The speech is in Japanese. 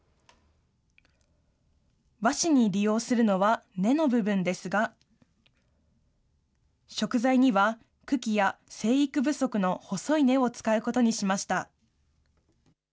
和紙に利用するのは根の部分ですが、食材には茎や、生育不足の細い根を使うことにしました。